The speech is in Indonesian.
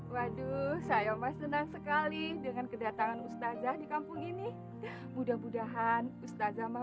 waduh saya mas senang sekali dengan kedatangan ustazah di kampung ini mudah mudahan ustaz zaman